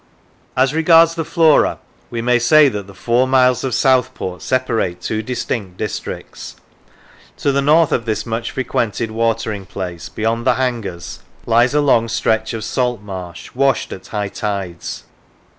As regards the flora we may say that the four miles of Southport separate two distinct districts. To the north of this much frequented watering place, beyond the hangars, lies a long stretch of salt marsh washed at high tides.